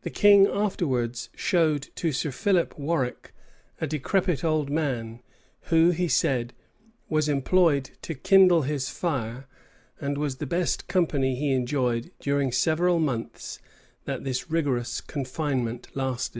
The king afterwards showed to Sir Philip Warwick a decrepit old man, who, he said, was employed to kindle his fire, and was the best company he enjoyed during several months that this rigorous confinement lasted.